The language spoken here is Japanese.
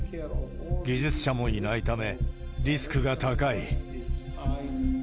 技術者もいないため、リスクが高い。